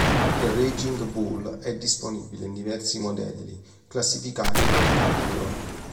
Il Raging Bull è disponibile in diversi modelli, classificati per calibro.